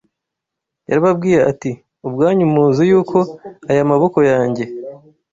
yarababwiye ati: “Ubwanyu muzi yuko aya maboko yanjye